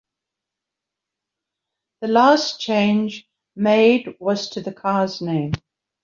The last change made was to the car's name.